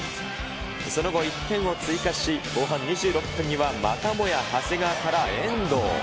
その後、１点を追加し、後半２６分には、またもや長谷川から遠藤。